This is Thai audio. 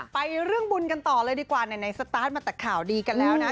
ไปเรื่องบุญกันต่อเลยดีกว่าไหนสตาร์ทมาแต่ข่าวดีกันแล้วนะ